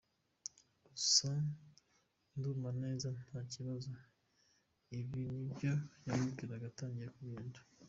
Gusa nduma meze neza nta kibazo » ibi nibyo yamubwiraga atangiye kugenda.